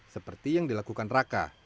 seperti yang dilakukan raka